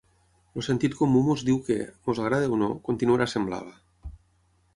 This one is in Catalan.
El sentit comú ens diu que, ens agradi o no, continuarà sent blava.